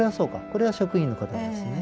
これは職員の方なんですね。